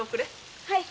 はい。